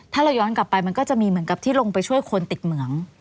ถ้าเราย้อนกลับไปมันก็จะมีเหมือนกับที่ลงไปช่วยคนติดเหมือง